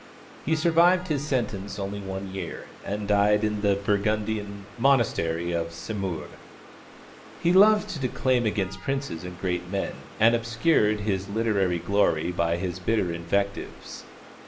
He survived his sentence only one year, and died in the Burgundian monastery of Semur. He loved to declaim against princes and great men, and obscured his literary glory by his bitter invectives.